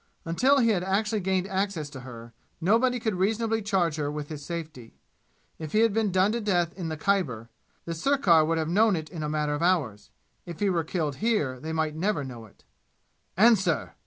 Until he had actually gained access to her, nobody could reasonably charge her with his safety. If he had been done to death in the Khyber, the sirkar would have known it in a matter of hours. If he were killed here they might never know it. "Answer!"